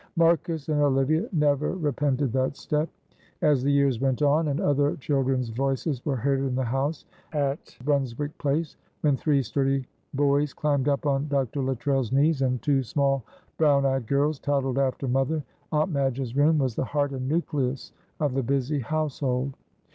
Marcus and Olivia never repented that step. As the years went on and other children's voices were heard in the house at Brunswick Place, when three sturdy, boys climbed up on Dr. Luttrell's knees, and two small, brown eyed girls toddled after mother, Aunt Madge's room was the heart and nucleus of the busy household.